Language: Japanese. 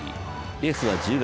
レースは１０月。